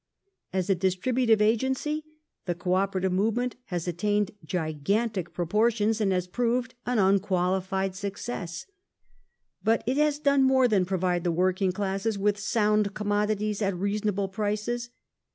As a distributive agency, the Co operative movement has attained gigantic propor tions and has proved an unqualified success. But it has done more than provide the working classes with sound commodities at reasonable prices.